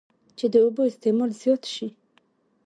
چې د اوبو استعمال زيات شي